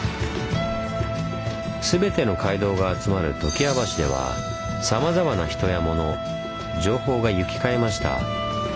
全ての街道が集まる常盤橋ではさまざまな人や物情報が行き交いました。